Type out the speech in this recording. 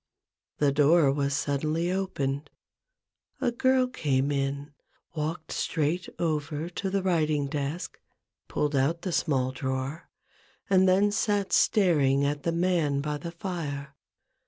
The door was suddenly opened : a girl came in, walked straight over to the writing desk, pulled out the small drawer, and then sat staring at the man by the fire.